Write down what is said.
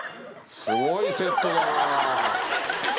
すごいセットだな。